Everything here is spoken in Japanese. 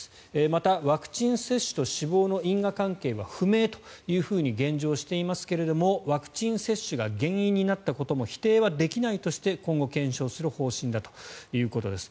また、ワクチン接種と死亡の因果関係は不明と現状していますがワクチン接種が原因になったことも否定はできないとして、今後検証する方針だということです。